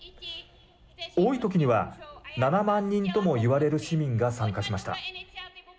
多い時には７万人とも言われる市民が参加しました。